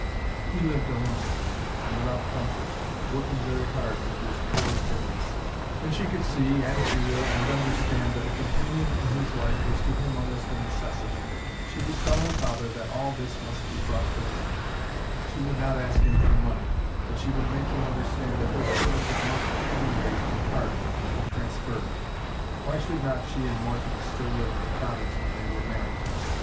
He lived alone and without comfort, working very hard for his poor pittance, and she could see, and feel, and understand that a companion in his life was to him almost a necessity. She would tell her father that all this must be brought to an end. She would not ask him for money, but she would make him understand that her services must, at any rate in part, be transferred. Why should not she and Morton still live at the cottage when they were married?